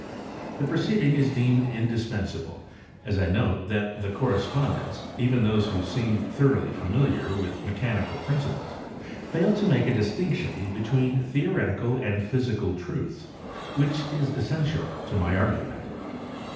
The preceding is deemed indispensable as I note that the correspondents, even those who seem thoroly familiar with mechanical principles, fail to make a distinction be tween theoretical and physical truths which is essential to my argument.